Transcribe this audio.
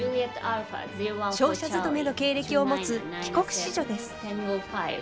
商社勤めの経歴を持つ帰国子女です。